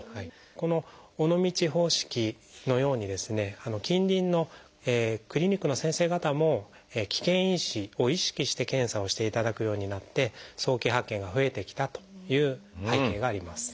この尾道方式のように近隣のクリニックの先生方も危険因子を意識して検査をしていただくようになって早期発見が増えてきたという背景があります。